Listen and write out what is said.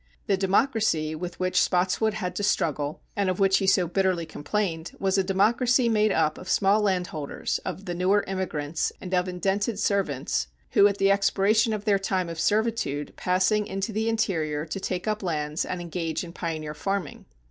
The democracy with which Spotswood had to struggle, and of which he so bitterly complained, was a democracy made up of small landholders, of the newer immigrants, and of indented servants, who at the expiration of their time of servitude passed into the interior to take up lands and engage in pioneer farming.